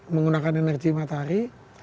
menggunakan energi matahari